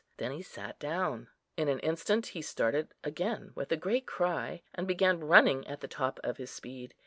Then he sat down.... In an instant up he started again with a great cry, and began running at the top of his speed.